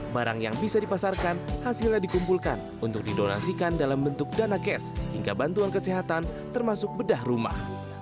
barang yang bisa dipasarkan hasilnya dikumpulkan untuk didonasikan dalam bentuk dana cash hingga bantuan kesehatan termasuk bedah rumah